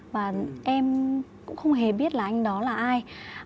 và em cũng không hề biết là anh đó là ai